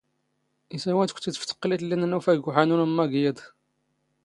ⵉⵙ ⴰⵡⴰ ⵜⴽⵯⵜⵉⴷ ⵖⴼ ⵜⵇⵍⵉⵜ ⵍⵍⵉ ⵏⵏ ⵏⵓⴼⴰ ⴳ ⵓⵃⴰⵏⵓ ⵏ ⵎⵎⴰ ⴳ ⵢⵉⴹ.